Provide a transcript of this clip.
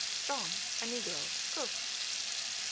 Strong (negro), cook; 11.